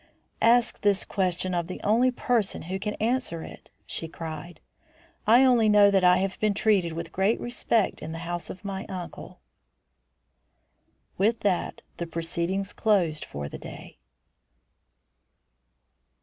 "Ask this question of the only person who can answer it," she cried. "I only know that I have been treated with great respect in the house of my uncle." With that, the proceedings closed for the day.